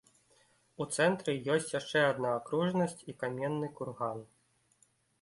У цэнтры ёсць яшчэ адна акружнасць і каменны курган.